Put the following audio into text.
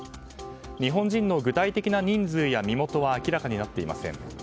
日本人の具体的な人数や身元は明らかになっていません。